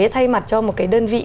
thay mặt cho một cái đơn vị